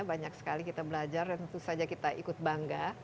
banyak sekali kita belajar dan tentu saja kita ikut bangga